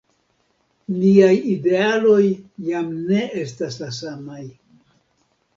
Niaj idealoj jam ne estas la samaj.